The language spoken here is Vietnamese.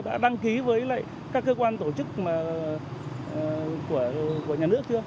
đã đăng ký với các cơ quan tổ chức của nhà nước thưa